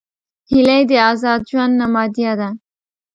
هیلۍ د آزاد ژوند نمادیه ده